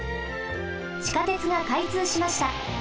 地下鉄がかいつうしました。